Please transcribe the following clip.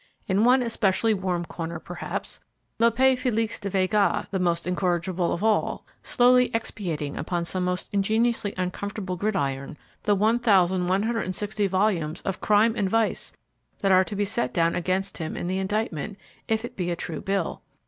In one especially warm corner, perhaps, Lope Felix de Vega, the most incorrigible of all, slowly expiating upon some most ingeniously uncomfortable gridiron the 1,160 volumes of crime and vice that are to be set down against him in the indictment, if it be a true bill.